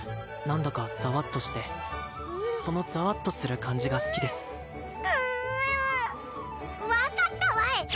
何だかザワッとしてそのザワッとする感じが好きですうう分かったわい！